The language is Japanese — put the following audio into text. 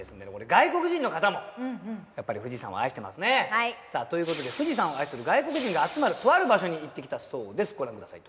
外国人の方もやっぱり富士山を愛してますねさあということで富士山を愛する外国人が集まるとある場所に行ってきたそうですご覧ください